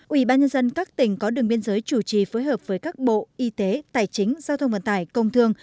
ủy ban nhân dân các tỉnh có đường biên giới chủ trì phối hợp với các bộ y tế tài chính giao thông vận tải công thương